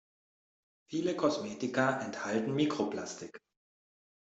Viele Kosmetika enthalten Mikroplastik.